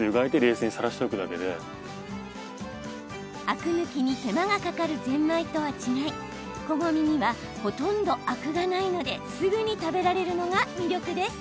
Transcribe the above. アク抜きに手間がかかるぜんまいとは違いこごみにはほとんどアクがないのですぐに食べられるのが魅力です。